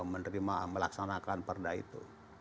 menerima melaksanakan perda itu